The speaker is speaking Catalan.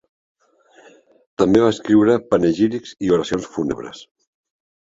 També va escriure panegírics i oracions fúnebres.